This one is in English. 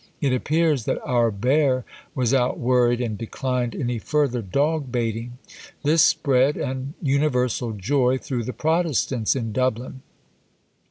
It appears that our bear was out worried, and declined any further dog baiting. This spread an universal joy through the Protestants in Dublin.